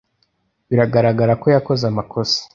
Biragaragara ko yakoze amakosa